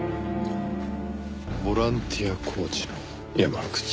ボランティアコーチの山口。